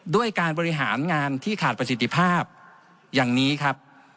ด้วยการบริหารงานที่ขาดประสิทธิภาพอย่างนี้ครับ